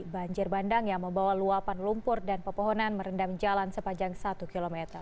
banjir bandang yang membawa luapan lumpur dan pepohonan merendam jalan sepanjang satu km